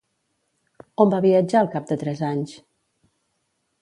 On va viatjar al cap de tres anys?